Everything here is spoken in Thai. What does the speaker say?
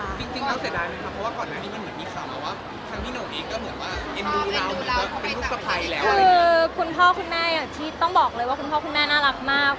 เอิ้ญคือคุณพ่อคุณแม่ที่ต้องบอกเลยว่าคุณพ่อคุณแม่น่ารักมาก